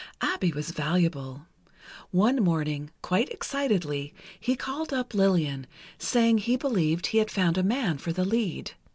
Abbe was valuable. One morning, quite excitedly, he called up Lillian, saying he believed he had found a man for the lead.